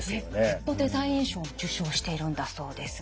グッドデザイン賞も受賞しているんだそうです。